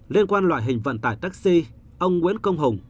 liên quan loại hình vận tải taxi ông nguyễn công hùng